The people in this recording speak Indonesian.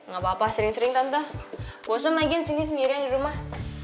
gapapa sering sering tante bosan lagi sini sendirian di rumah